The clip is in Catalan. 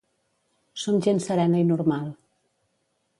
Som gent serena i normal.